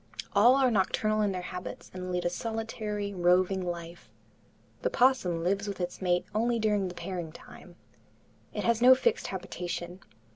All are nocturnal in their habits and lead a solitary, roving life. The opossum lives with its mate only during the pairing time. It has no fixed habitation.